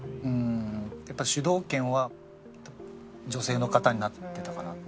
やっぱり主導権は女性の方になってたかなって。